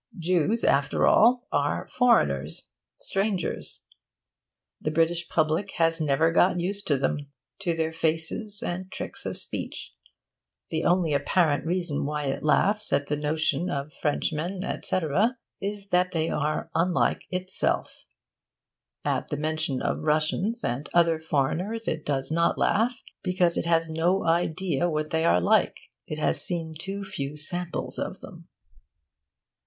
Jews, after all, are foreigners, strangers. The British public has never got used to them, to their faces and tricks of speech. The only apparent reason why it laughs at the notion of Frenchmen, etc., is that they are unlike itself. (At the mention of Russians and other foreigners it does not laugh, because it has no idea what they are like: it has seen too few samples of them.)